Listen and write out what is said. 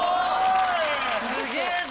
すげぇぞ！